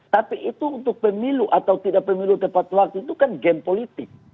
tapi itu untuk pemilu atau tidak pemilu tepat waktu itu kan game politik